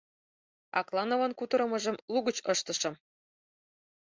— Аклановын кутырымыжым лугыч ыштышым.